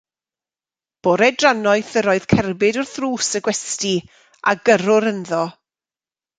Bore drannoeth yr oedd cerbyd wrth ddrws y gwesty, a gyrrwr ynddo.